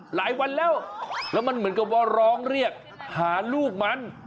หลายวันแล้วแล้วมันเหมือนกับว่าร้องเรียกหาลูกมัน